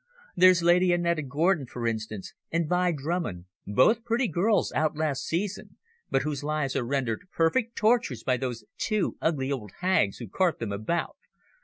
There's Lady Anetta Gordon, for instance, and Vi Drummond, both pretty girls out last season, but whose lives are rendered perfect tortures by those two ugly old hags who cart them about.